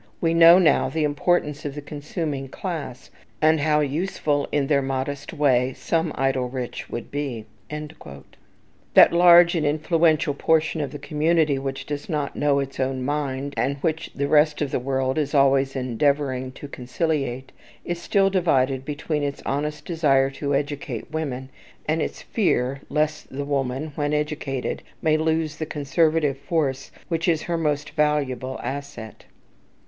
We know now the importance of the consuming classes, and how useful in their modest way some idle rich would be." That large and influential portion of the community which does not know its own mind, and which the rest of the world is always endeavouring to conciliate, is still divided between its honest desire to educate women, and its fear lest the woman, when educated, may lose the conservative force which is her most valuable asset.